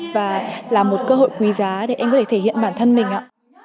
và là một cơ hội quý giá để anh có thể thể hiện bản thân mình ạ